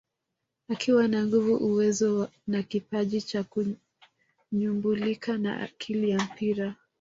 Akiwa na nguvu uwezo na kipaji cha kunyumbulika na akili ya mpira